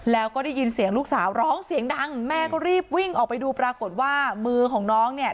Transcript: แล้วก็ได้ยินเสียงลูกสาวร้องเสียงดังแม่ก็รีบวิ่งออกไปดูปรากฏว่ามือของน้องเนี่ย